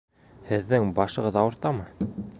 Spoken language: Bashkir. Һеҙҙең башығыҙ ауыртамы?